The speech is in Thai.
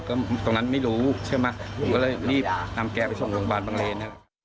ก็ตรงนั้นไม่รู้ใช่ไหมผมก็เลยรีบนำแกไปส่งโรงพยาบาลบังเลน